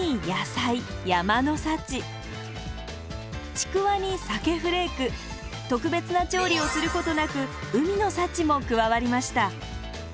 ちくわにさけフレーク特別な調理をすることなく海の幸も加わりました。